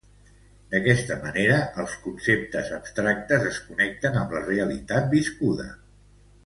D'aquesta manera els conceptes abstractes es connecten amb la realitat viscuda.